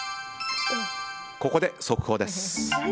ここで速報です。